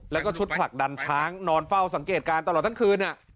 แล้วก็ชุดผลักดันช้างนอนเฝ้าสังเกตการณ์ตลอดทั้งคืน